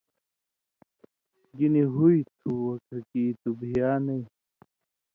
گیں نی ہُوئ تُھو وو ککی تُو بِھیا نَیں۔